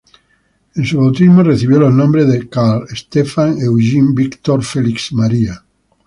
En su bautismo recibió los nombres de "Karl Stephan Eugen Viktor Felix Maria".